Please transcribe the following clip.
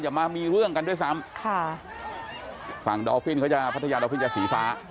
มามีเรื่องกันด้วยซ้ำค่ะฝั่งดอลฟินเขาจะพัทยาดอลฟินจะสีฟ้า